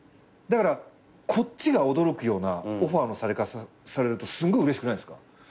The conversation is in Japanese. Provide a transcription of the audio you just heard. だからこっちが驚くようなオファーのされ方されるとすんごいうれしくないですか？